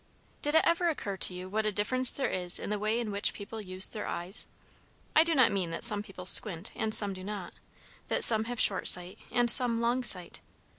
Did it ever occur to you what a difference there is in the way in which people use their eyes? I do not mean that some people squint, and some do not; that some have short sight, and some long sight.